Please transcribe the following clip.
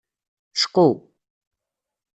Cqu.